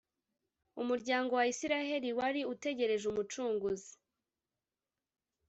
umuryango wa isiraheli wari utegereje umucunguzi.